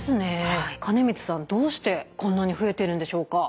金光さんどうしてこんなに増えてるんでしょうか？